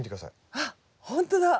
あほんとだ！